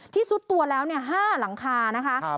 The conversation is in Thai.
ที่ซุดตัวแล้วห้าหลังคานะคะ